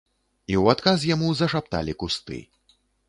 І ў адказ яму зашапталі кусты.